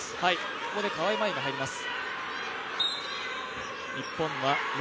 ここで川井麻衣が入ります。